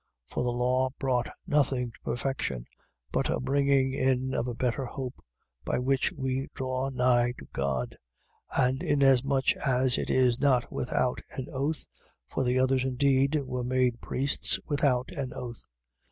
For the law brought nothing to perfection: but a bringing in of a better hope, by which we draw nigh to God. 7:20. And inasmuch as it is not without an oath (for the others indeed were made priests without an oath: 7:21.